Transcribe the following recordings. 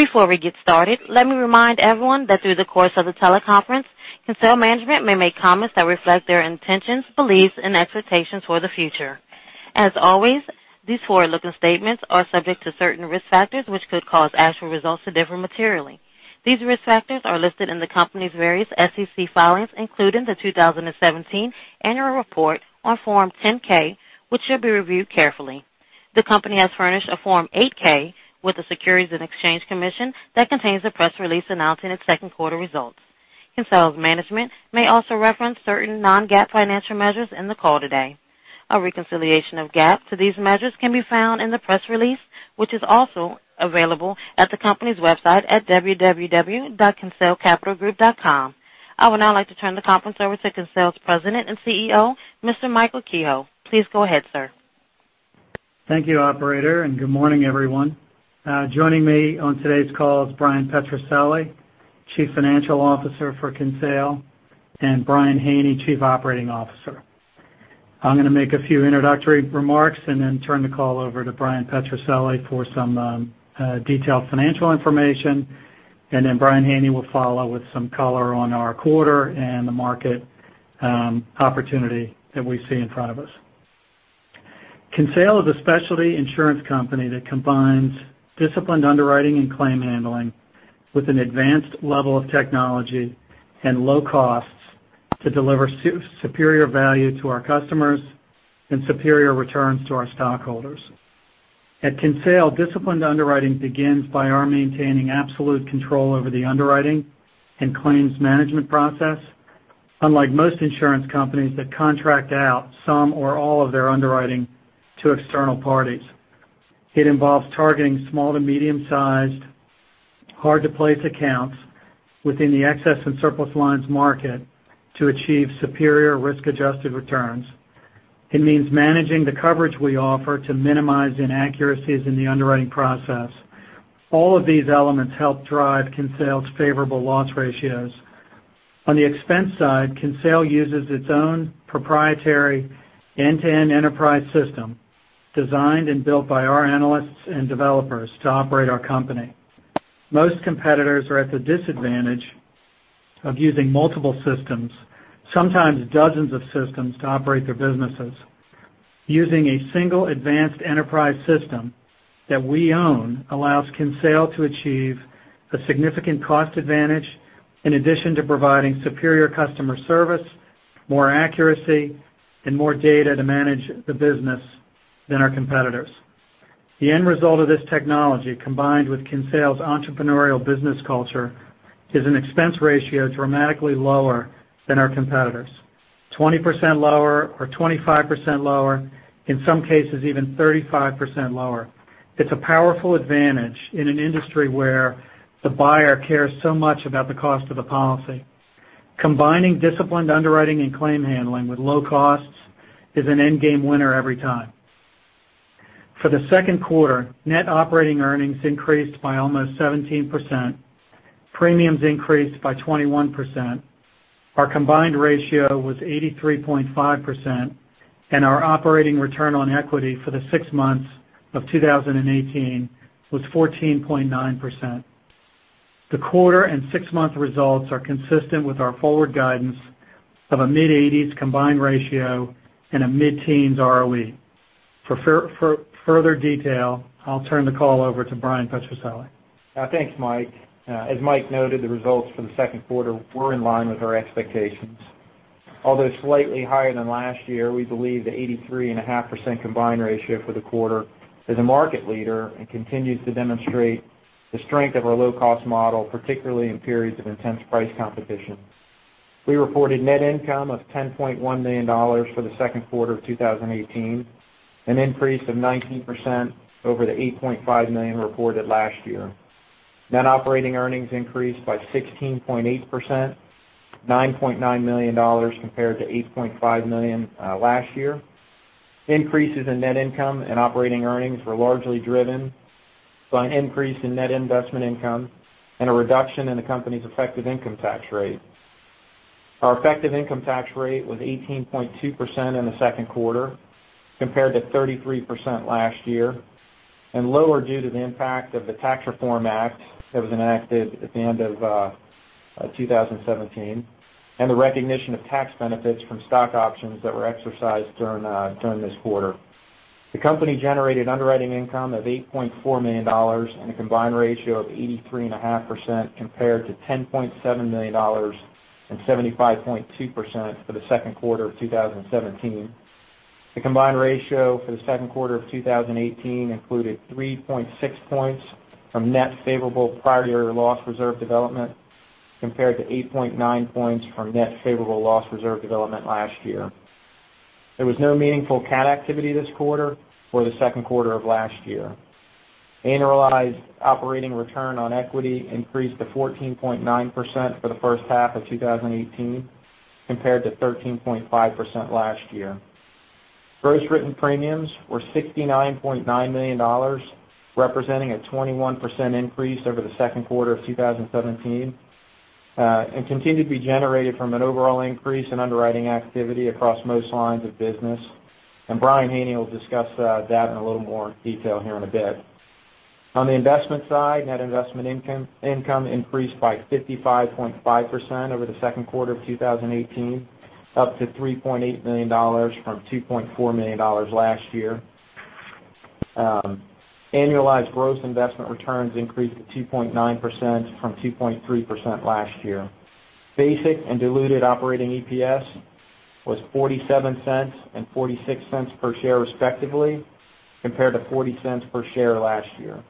Before we get started, let me remind everyone that through the course of the teleconference, Kinsale management may make comments that reflect their intentions, beliefs, and expectations for the future. As always, these forward-looking statements are subject to certain risk factors which could cause actual results to differ materially. These risk factors are listed in the company's various SEC filings, including the 2017 annual report on Form 10-K, which should be reviewed carefully. The company has furnished a Form 8-K with the Securities and Exchange Commission that contains the press release announcing its second quarter results. Kinsale's management may also reference certain non-GAAP financial measures in the call today. A reconciliation of GAAP to these measures can be found in the press release, which is also available at the company's website at www.kinsalecapitalgroup.com. I would now like to turn the conference over to Kinsale's President and CEO, Mr. Michael Kehoe. Please go ahead, sir. Thank you, operator, and good morning, everyone. Joining me on today's call is Bryan Petrucelli, Chief Financial Officer for Kinsale, and Brian Haney, Chief Operating Officer. I'm going to make a few introductory remarks and then turn the call over to Bryan Petrucelli for some detailed financial information, and then Brian Haney will follow with some color on our quarter and the market opportunity that we see in front of us. Kinsale is a specialty insurance company that combines disciplined underwriting and claim handling with an advanced level of technology and low costs to deliver superior value to our customers and superior returns to our stockholders. At Kinsale, disciplined underwriting begins by our maintaining absolute control over the underwriting and claims management process, unlike most insurance companies that contract out some or all of their underwriting to external parties. It involves targeting small to medium-sized, hard-to-place accounts within the excess and surplus lines market to achieve superior risk-adjusted returns. It means managing the coverage we offer to minimize inaccuracies in the underwriting process. All of these elements help drive Kinsale's favorable loss ratios. On the expense side, Kinsale uses its own proprietary end-to-end enterprise system, designed and built by our analysts and developers to operate our company. Most competitors are at the disadvantage of using multiple systems, sometimes dozens of systems, to operate their businesses. Using a single advanced enterprise system that we own allows Kinsale to achieve a significant cost advantage in addition to providing superior customer service, more accuracy, and more data to manage the business than our competitors. The end result of this technology, combined with Kinsale's entrepreneurial business culture, is an expense ratio dramatically lower than our competitors, 20% lower or 25% lower, in some cases even 35% lower. It's a powerful advantage in an industry where the buyer cares so much about the cost of the policy. Combining disciplined underwriting and claim handling with low costs is an endgame winner every time. For the second quarter, net operating earnings increased by almost 17%. Premiums increased by 21%. Our combined ratio was 83.5%, and our operating return on equity for the six months of 2018 was 14.9%. The quarter and six-month results are consistent with our forward guidance of a mid-80s combined ratio and a mid-teens ROE. For further detail, I'll turn the call over to Bryan Petrucelli. Thanks, Mike. As Mike noted, the results for the second quarter were in line with our expectations. Although slightly higher than last year, we believe the 83.5% combined ratio for the quarter is a market leader and continues to demonstrate the strength of our low-cost model, particularly in periods of intense price competition. We reported net income of $10.1 million for the second quarter of 2018, an increase of 19% over the $8.5 million reported last year. Net operating earnings increased by 16.8%, $9.9 million compared to $8.5 million last year. Increases in net income and operating earnings were largely driven by an increase in net investment income and a reduction in the company's effective income tax rate. Our effective income tax rate was 18.2% in the second quarter, compared to 33% last year, and lower due to the impact of the Tax Reform Act that was enacted at the end of 2017 and the recognition of tax benefits from stock options that were exercised during this quarter. The company generated underwriting income of $8.4 million and a combined ratio of 83.5%, compared to $10.7 million and 75.2% for the second quarter of 2017. The combined ratio for the second quarter of 2018 included 3.6 points from net favorable prior year loss reserve development, compared to 8.9 points from net favorable loss reserve development last year. There was no meaningful cat activity this quarter or the second quarter of last year. Annualized operating return on equity increased to 14.9% for the first half of 2018, compared to 13.5% last year. Gross written premiums were $69.9 million, representing a 21% increase over the second quarter of 2017. Continue to be generated from an overall increase in underwriting activity across most lines of business. Brian Haney will discuss that in a little more detail here in a bit. On the investment side, net investment income increased by 55.5% over the second quarter of 2018, up to $3.8 million from $2.4 million last year. Annualized gross investment returns increased to 2.9% from 2.3% last year. Basic and diluted operating EPS was $0.47 and $0.46 per share respectively, compared to $0.40 per share last year.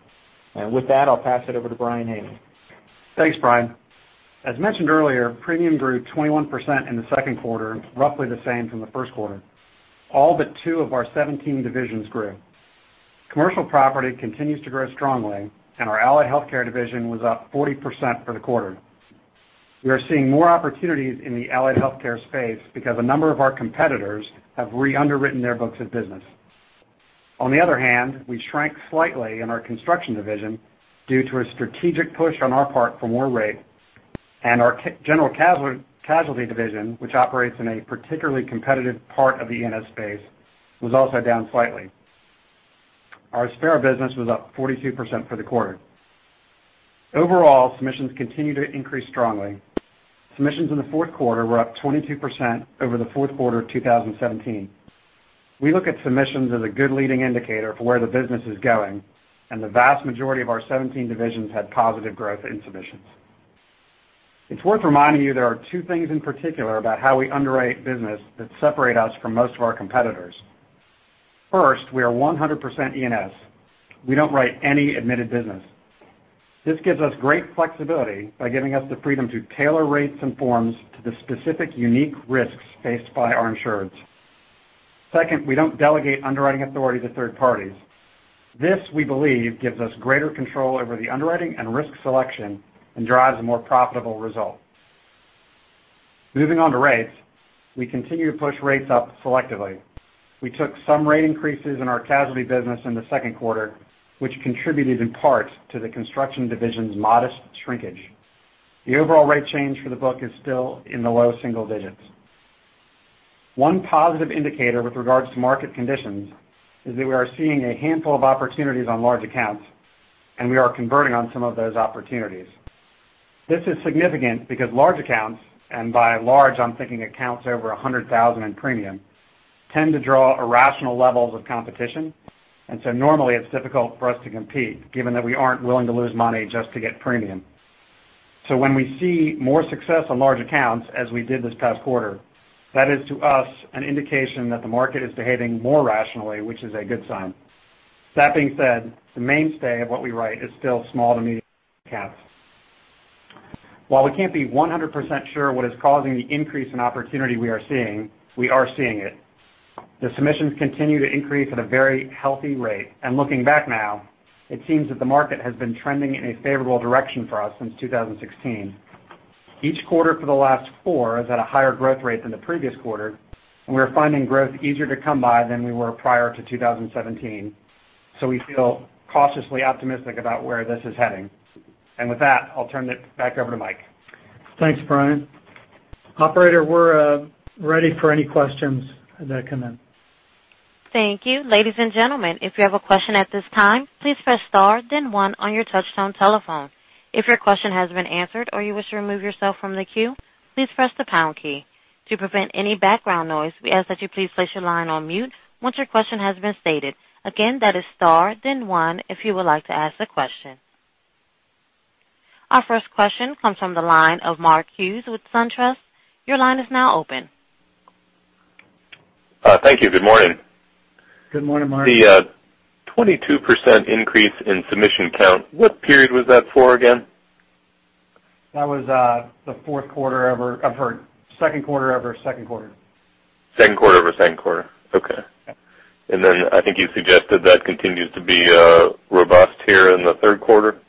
With that, I'll pass it over to Brian Haney. Thanks, Brian. As mentioned earlier, premium grew 21% in the second quarter, roughly the same from the first quarter. All but two of our 17 divisions grew. Commercial property continues to grow strongly, and our Allied Health division was up 40% for the quarter. We are seeing more opportunities in the Allied Health space because a number of our competitors have re-underwritten their books of business. On the other hand, we shrank slightly in our construction division due to a strategic push on our part for more rate. Our general casualty division, which operates in a particularly competitive part of the E&S space, was also down slightly. Our specialty insurance was up 42% for the quarter. Overall, submissions continue to increase strongly. Submissions in the fourth quarter were up 22% over the fourth quarter of 2017. We look at submissions as a good leading indicator for where the business is going, the vast majority of our 17 divisions had positive growth in submissions. It's worth reminding you there are two things in particular about how we underwrite business that separate us from most of our competitors. First, we are 100% E&S. We don't write any admitted business. This gives us great flexibility by giving us the freedom to tailor rates and forms to the specific, unique risks faced by our insureds. Second, we don't delegate underwriting authority to third parties. This, we believe, gives us greater control over the underwriting and risk selection and drives a more profitable result. Moving on to rates, we continue to push rates up selectively. We took some rate increases in our casualty business in the second quarter, which contributed in part to the construction division's modest shrinkage. The overall rate change for the book is still in the low single digits. One positive indicator with regards to market conditions is that we are seeing a handful of opportunities on large accounts, we are converting on some of those opportunities. This is significant because large accounts, and by large, I'm thinking accounts over $100,000 in premium, tend to draw irrational levels of competition. Normally it's difficult for us to compete, given that we aren't willing to lose money just to get premium. When we see more success on large accounts, as we did this past quarter, that is to us an indication that the market is behaving more rationally, which is a good sign. That being said, the mainstay of what we write is still small to medium accounts. While we can't be 100% sure what is causing the increase in opportunity we are seeing, we are seeing it. The submissions continue to increase at a very healthy rate. Looking back now, it seems that the market has been trending in a favorable direction for us since 2016. Each quarter for the last four is at a higher growth rate than the previous quarter, and we're finding growth easier to come by than we were prior to 2017. We feel cautiously optimistic about where this is heading. With that, I'll turn it back over to Mike. Thanks, Brian. Operator, we're ready for any questions that come in. Thank you. Ladies and gentlemen, if you have a question at this time, please press star then one on your touch tone telephone. If your question has been answered or you wish to remove yourself from the queue, please press the pound key. To prevent any background noise, we ask that you please place your line on mute once your question has been stated. Again, that is star then one if you would like to ask a question. Our first question comes from the line of Mark Hughes with SunTrust. Your line is now open. Thank you. Good morning. Good morning, Mark. The 22% increase in submission count, what period was that for again? That was the second quarter over second quarter. Second quarter over second quarter. Okay. Yeah. I think you suggested that continues to be robust here in the third quarter?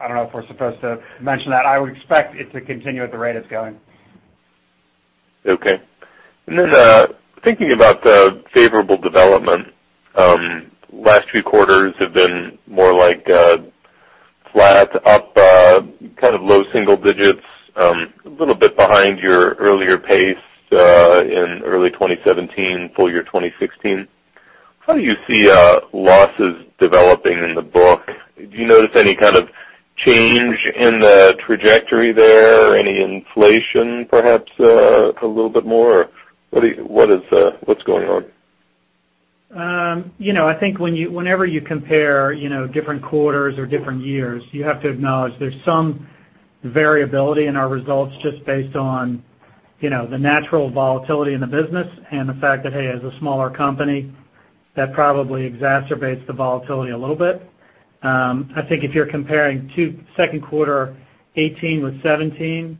I don't know if we're supposed to mention that. I would expect it to continue at the rate it's going. Okay. Thinking about the favorable development, last few quarters have been more like flat up kind of low single digits, a little bit behind your earlier pace in early 2017, full year 2016. How do you see losses developing in the book? Do you notice any kind of change in the trajectory there or any inflation, perhaps a little bit more? What's going on? I think whenever you compare different quarters or different years, you have to acknowledge there's some variability in our results just based on the natural volatility in the business and the fact that, hey, as a smaller company, that probably exacerbates the volatility a little bit. I think if you're comparing second quarter 2018 with 2017,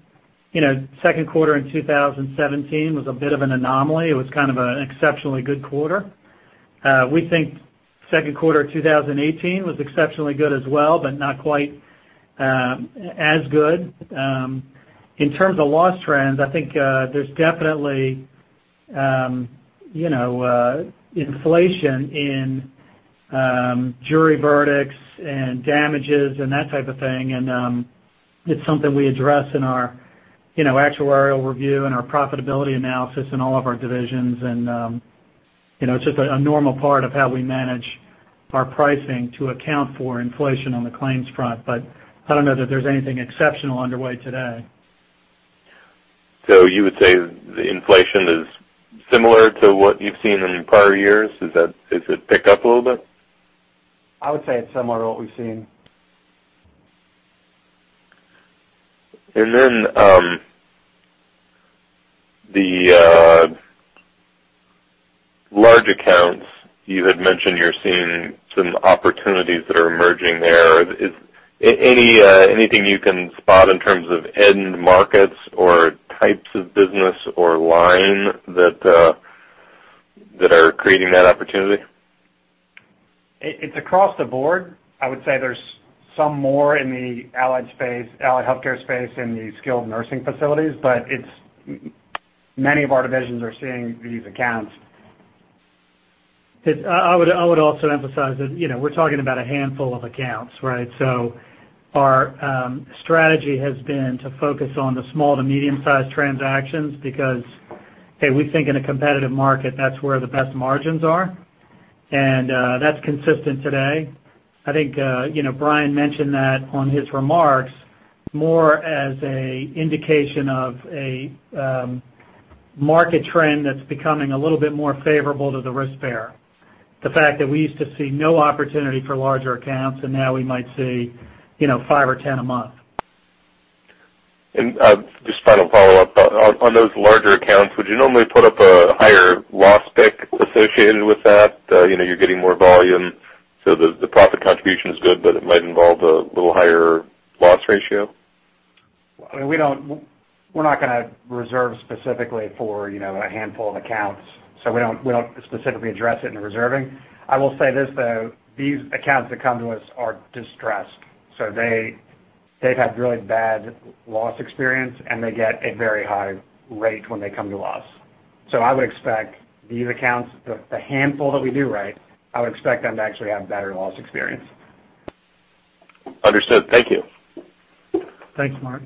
second quarter in 2017 was a bit of an anomaly. It was kind of an exceptionally good quarter. We think second quarter 2018 was exceptionally good as well, but not quite as good. In terms of loss trends, I think there's definitely inflation in jury verdicts and damages and that type of thing. It's something we address in our actuarial review and our profitability analysis in all of our divisions. It's just a normal part of how we manage our pricing to account for inflation on the claims front. I don't know that there's anything exceptional underway today. You would say the inflation is similar to what you've seen in prior years? Has it picked up a little bit? I would say it's similar to what we've seen. The large accounts, you had mentioned you're seeing some opportunities that are emerging there. Anything you can spot in terms of end markets or types of business or line that are creating that opportunity? It's across the board. I would say there's some more in the Allied Health space in the skilled nursing facilities, but many of our divisions are seeing these accounts. I would also emphasize that we're talking about a handful of accounts, right? Our strategy has been to focus on the small to medium-sized transactions because, hey, we think in a competitive market, that's where the best margins are, and that's consistent today. I think Brian mentioned that on his remarks more as a indication of a market trend that's becoming a little bit more favorable to the risk bearer. The fact that we used to see no opportunity for larger accounts, now we might see five or 10 a month. Just final follow-up. On those larger accounts, would you normally put up a higher loss pick associated with that? You're getting more volume, the profit contribution is good, it might involve a little higher loss ratio. We're not going to reserve specifically for a handful of accounts. We don't specifically address it in the reserving. I will say this, though, these accounts that come to us are distressed. They've had really bad loss experience, they get a very high rate when they come to us. I would expect these accounts, the handful that we do right, I would expect them to actually have better loss experience. Understood. Thank you. Thanks, Mark.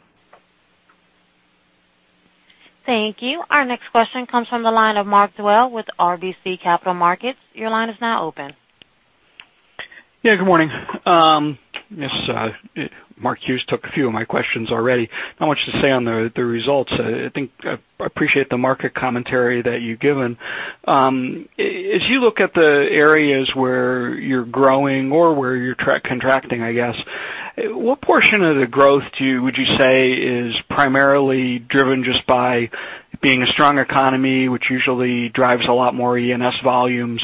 Thank you. Our next question comes from the line of Mark Dwelle with RBC Capital Markets. Your line is now open. Yeah, good morning. Mark Hughes took a few of my questions already. I want you to say on the results, I think I appreciate the market commentary that you've given. As you look at the areas where you're growing or where you're contracting, I guess, what portion of the growth would you say is primarily driven just by being a strong economy, which usually drives a lot more E&S volumes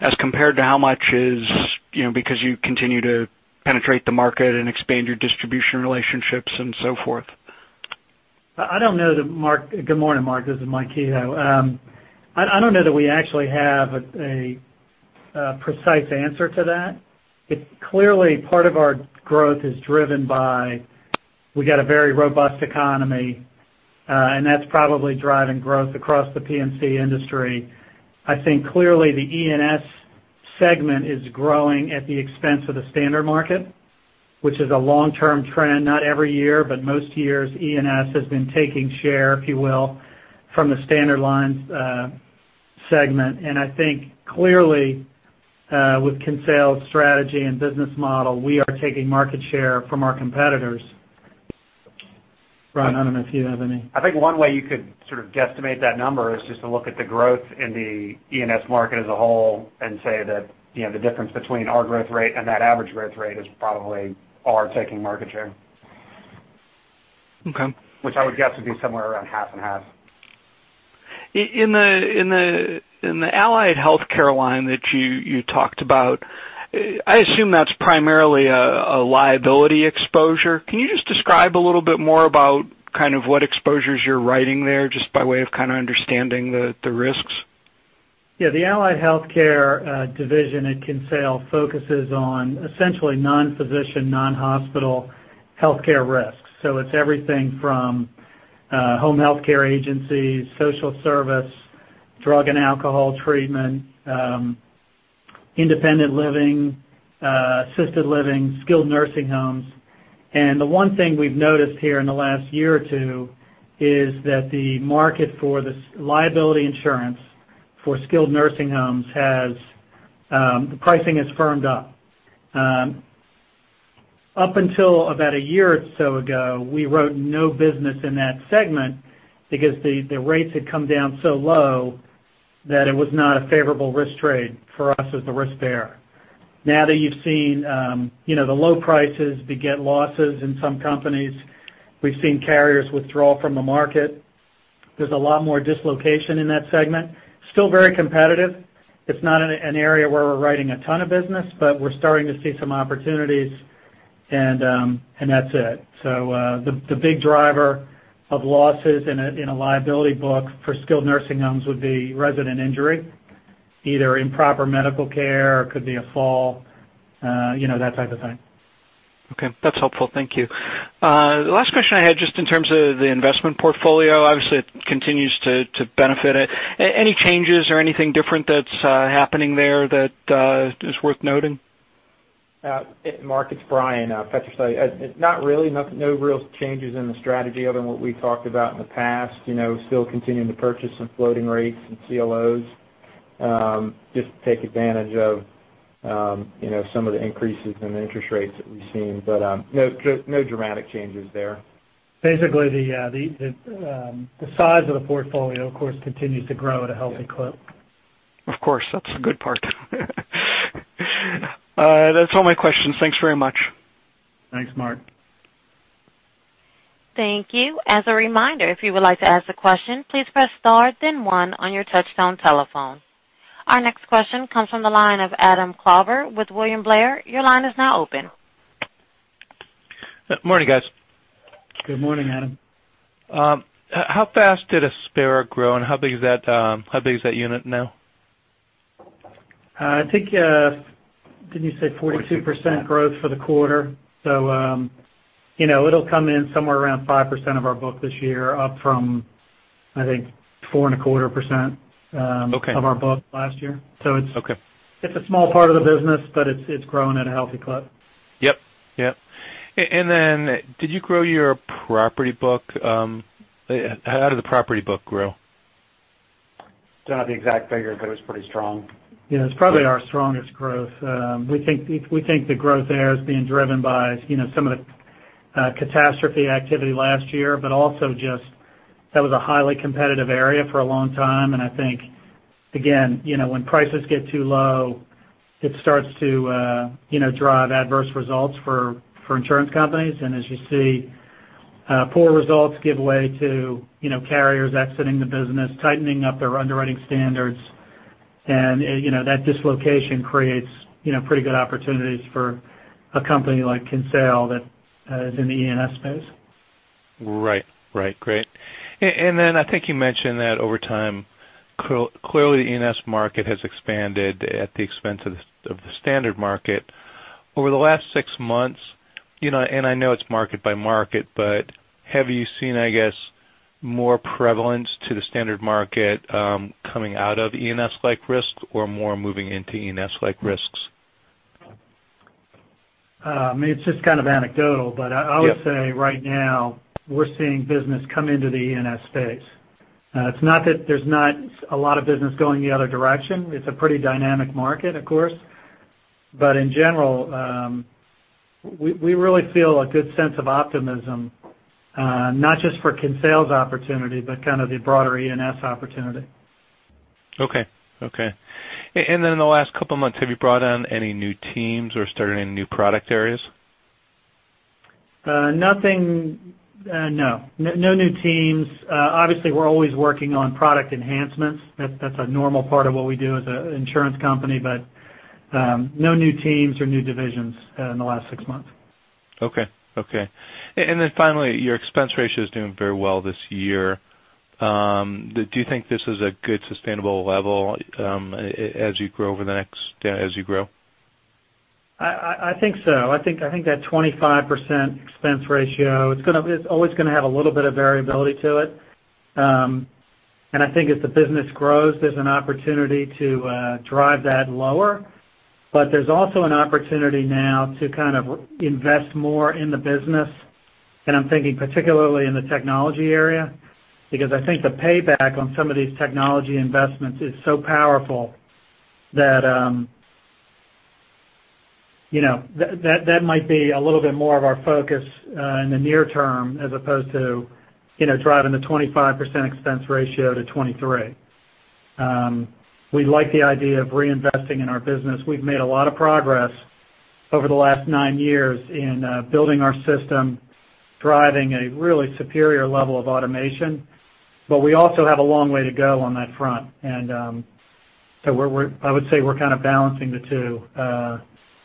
as compared to how much is because you continue to penetrate the market and expand your distribution relationships and so forth? Good morning, Mark. This is Mike Kehoe. I don't know that we actually have a precise answer to that. Clearly, part of our growth is driven by, we got a very robust economy, and that's probably driving growth across the P&C industry. I think clearly the E&S segment is growing at the expense of the standard market, which is a long-term trend, not every year, but most years E&S has been taking share, if you will, from the standard lines segment. I think clearly, with Kinsale's strategy and business model, we are taking market share from our competitors. Brian, I don't know if you have any. I think one way you could sort of guesstimate that number is just to look at the growth in the E&S market as a whole and say that the difference between our growth rate and that average growth rate is probably our taking market share. Okay. Which I would guess would be somewhere around half and half. In the Allied Health line that you talked about, I assume that's primarily a liability exposure. Can you just describe a little bit more about kind of what exposures you're writing there, just by way of kind of understanding the risks? Yeah. The Allied Health division at Kinsale focuses on essentially non-physician, non-hospital healthcare risks. It's everything from home healthcare agencies, social service, drug and alcohol treatment, independent living, assisted living, skilled nursing homes. The one thing we've noticed here in the last year or two is that the market for this liability insurance for skilled nursing homes, the pricing has firmed up. Up until about a year or so ago, we wrote no business in that segment because the rates had come down so low that it was not a favorable risk trade for us as the risk bearer. Now that you've seen the low prices beget losses in some companies, we've seen carriers withdraw from the market. There's a lot more dislocation in that segment. Still very competitive. It's not an area where we're writing a ton of business, but we're starting to see some opportunities, and that's it. The big driver of losses in a liability book for skilled nursing homes would be resident injury, either improper medical care, could be a fall, that type of thing. Okay, that's helpful. Thank you. Last question I had, just in terms of the investment portfolio. Obviously, it continues to benefit. Any changes or anything different that's happening there that is worth noting? Mark, it's Bryan at Petrucelli. Not really. No real changes in the strategy other than what we've talked about in the past. Still continuing to purchase some floating rates and CLOs, just to take advantage of some of the increases in interest rates that we've seen. No dramatic changes there. Basically, the size of the portfolio, of course, continues to grow at a healthy clip. Of course, that's the good part. That's all my questions. Thanks very much. Thanks, Mark. Thank you. As a reminder, if you would like to ask a question, please press star then one on your touchtone telephone. Our next question comes from the line of Adam Klauber with William Blair. Your line is now open. Morning, guys. Good morning, Adam. How fast did Aspera grow, and how big is that unit now? I think, didn't you say 42% growth for the quarter? It'll come in somewhere around 5% of our book this year, up from, I think, 4.25% of our books last year. Okay. It's a small part of the business, but it's growing at a healthy clip. Yep. Did you grow your property book? How did the property book grow? Don't have the exact figure, but it was pretty strong. It's probably our strongest growth. We think the growth there is being driven by some of the catastrophe activity last year, but also just that was a highly competitive area for a long time, and I think, again, when prices get too low, it starts to drive adverse results for insurance companies. As you see poor results give way to carriers exiting the business, tightening up their underwriting standards, and that dislocation creates pretty good opportunities for a company like Kinsale that is in the E&S space. Right. Great. I think you mentioned that over time, clearly, the E&S market has expanded at the expense of the standard market. Over the last six months, and I know it's market by market, but have you seen, I guess, more prevalence to the standard market coming out of E&S-like risks or more moving into E&S-like risks? It's just kind of anecdotal, but I would say right now we're seeing business come into the E&S space. It's not that there's not a lot of business going the other direction. It's a pretty dynamic market, of course. In general, we really feel a good sense of optimism, not just for Kinsale's opportunity, but kind of the broader E&S opportunity. Okay. In the last couple of months, have you brought on any new teams or started any new product areas? No. No new teams. Obviously, we're always working on product enhancements. That's a normal part of what we do as an insurance company, but no new teams or new divisions in the last six months. Okay. Then finally, your expense ratio is doing very well this year. Do you think this is a good sustainable level as you grow? I think so. I think that 25% expense ratio, it's always going to have a little bit of variability to it. I think as the business grows, there's an opportunity to drive that lower. There's also an opportunity now to kind of invest more in the business, and I'm thinking particularly in the technology area, because I think the payback on some of these technology investments is so powerful that might be a little bit more of our focus in the near term as opposed to driving the 25% expense ratio to 23%. We like the idea of reinvesting in our business. We've made a lot of progress over the last nine years in building our system, driving a really superior level of automation, but we also have a long way to go on that front. So I would say we're kind of balancing the two.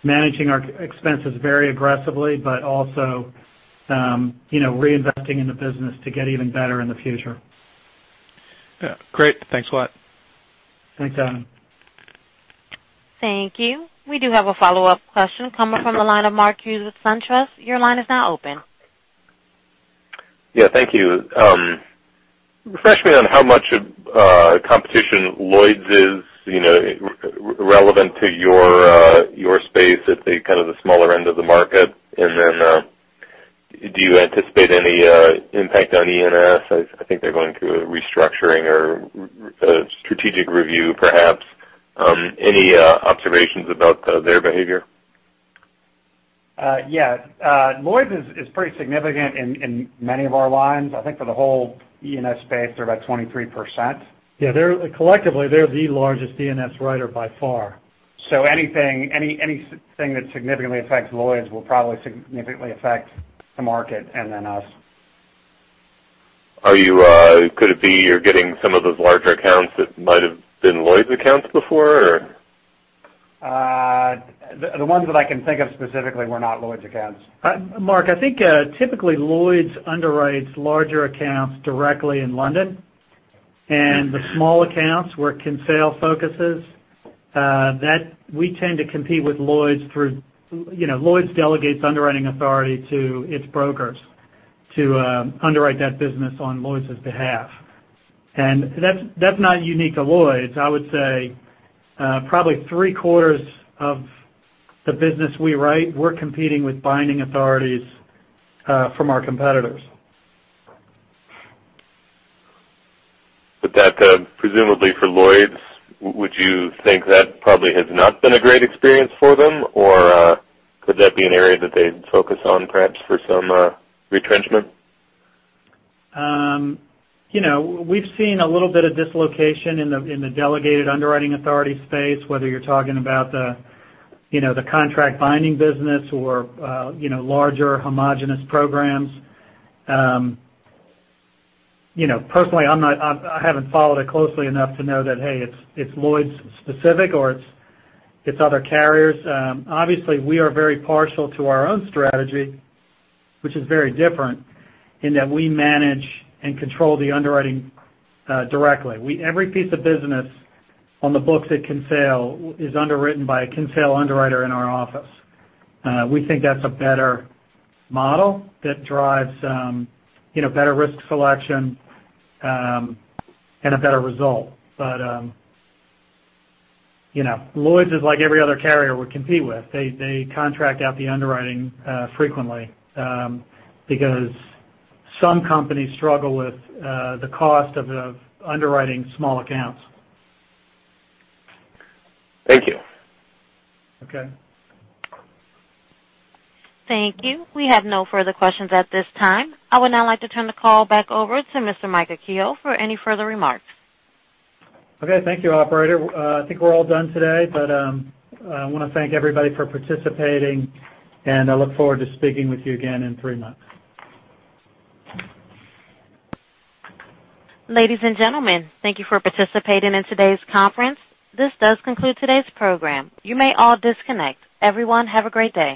Managing our expenses very aggressively, also reinvesting in the business to get even better in the future. Yeah. Great. Thanks a lot. Thanks, Adam. Thank you. We do have a follow-up question coming from the line of Mark Hughes with SunTrust. Your line is now open. Yeah, thank you. Refresh me on how much competition Lloyd's is relevant to your space at the kind of the smaller end of the market. Do you anticipate any impact on E&S? I think they're going through a restructuring or a strategic review, perhaps. Any observations about their behavior? Yeah. Lloyd's is pretty significant in many of our lines. I think for the whole E&S space, they're about 23%. Yeah. Collectively, they're the largest E&S writer by far. Anything that significantly affects Lloyd's will probably significantly affect the market and then us. Could it be you're getting some of those larger accounts that might have been Lloyd's accounts before? The ones that I can think of specifically were not Lloyd's accounts. Mark, I think typically Lloyd's underwrites larger accounts directly in London. The small accounts where Kinsale focuses, we tend to compete with Lloyd's. Lloyd's delegates underwriting authority to its brokers to underwrite that business on Lloyd's behalf. That's not unique to Lloyd's. I would say probably three-quarters of the business we write, we're competing with binding authorities from our competitors. That presumably for Lloyd's, would you think that probably has not been a great experience for them, or could that be an area that they'd focus on, perhaps, for some retrenchment? We've seen a little bit of dislocation in the delegated underwriting authority space, whether you're talking about the contract binding business or larger homogenous programs. Personally, I haven't followed it closely enough to know that, hey, it's Lloyd's specific or it's other carriers. Obviously, we are very partial to our own strategy, which is very different in that we manage and control the underwriting directly. Every piece of business on the books at Kinsale is underwritten by a Kinsale underwriter in our office. We think that's a better model that drives better risk selection and a better result. Lloyd's is like every other carrier we compete with. They contract out the underwriting frequently, because some companies struggle with the cost of underwriting small accounts. Thank you. Okay. Thank you. We have no further questions at this time. I would now like to turn the call back over to Mr. Mike Kehoe for any further remarks. Okay. Thank you, operator. I think we're all done today, but I want to thank everybody for participating, and I look forward to speaking with you again in three months. Ladies and gentlemen, thank you for participating in today's conference. This does conclude today's program. You may all disconnect. Everyone, have a great day.